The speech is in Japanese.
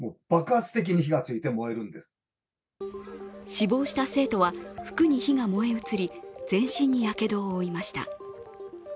死亡した生徒は、服に火が燃え移り全身にやけどを負いました。